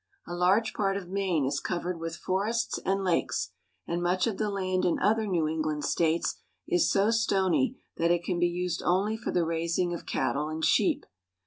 A large part of Maine is covered with forests and lakes, and much of the land in other New England states is so stony that it can be used only for the raising of cattle and sheep.